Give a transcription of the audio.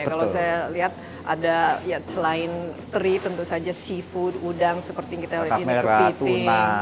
kalau saya lihat ada selain teri tentu saja seafood udang seperti kita lihat di keping